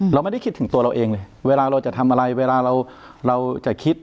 เราไม่ได้คิดถึงตัวเราเองเลยเวลาเราจะทำอะไรเวลาเราจะคิด